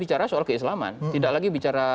bicara soal keislaman tidak lagi bicara